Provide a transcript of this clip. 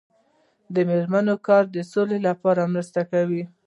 د میرمنو کار د سولې لپاره مرسته کوي.